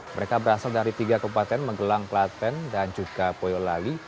mereka berasal dari tiga kabupaten menggelang klaten dan juga boyolali